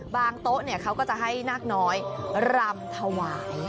บางโต๊ะเขาก็จะให้รำทวาย